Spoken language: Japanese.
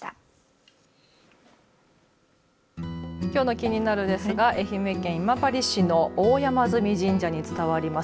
きょうのキニナル！ですが愛媛県今治市の大山祇神社に伝わります